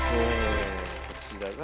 こちらが。